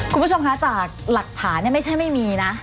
คุณผู้ชมคะจากหลักฐานไม่ใช่ไม่มีนะ